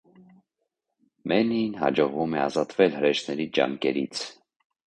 Մեննիին հաջողվում է ազատվել հրեշների ճանկերից։